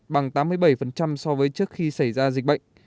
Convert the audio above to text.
bằng tám mươi bảy so với trước khi xảy ra dịch bệnh